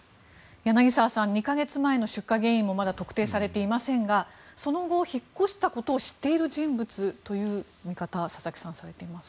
柳澤さん２か月前の出火原因もまだ特定されていませんがその後、引っ越したことを知っているという人物という見方を佐々木さんはされています。